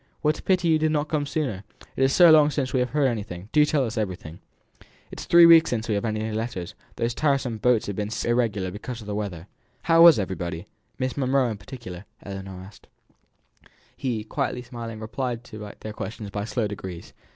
What a pity you did not come sooner! It is so long since we have heard anything; do tell us everything! It is three weeks since we have had any letters; those tiresome boats have been so irregular because of the weather." "How was everybody Miss Monro in particular?" Ellinor asks. He, quietly smiling, replied to their questions by slow degrees.